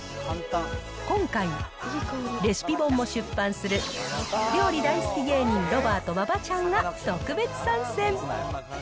今回、レシピ本も出版する料理大好き芸人、ロバート・馬場ちゃんが特別参戦。